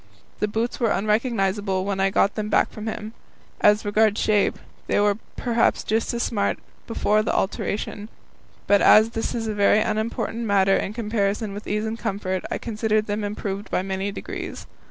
The boots were unrecognizable when I got them back from him. As regards shape, they were perhaps just as smart before the alteration, but as that is a very unimportant matter in comparison with ease and comfort, I considered them improved by many degrees.